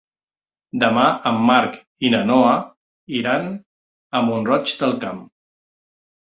Demà en Marc i na Noa iran a Mont-roig del Camp.